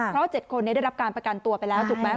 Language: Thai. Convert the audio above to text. เพราะ๗คนได้รับการประกันตัวไปแล้วถูกไหม